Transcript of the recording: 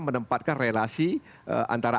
menempatkan relasi antara